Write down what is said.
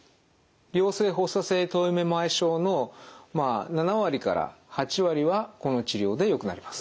良性発作性頭位めまい症の７割から８割はこの治療でよくなります。